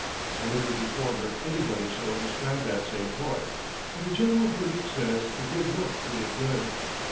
I never before heard anybody so describe that same port, but the general verdict says it did look pretty good.